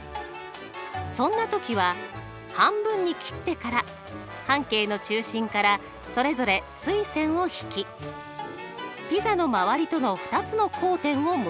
そんな時は半分に切ってから半径の中心からそれぞれ垂線を引きピザの周りとの２つの交点を結ぶと。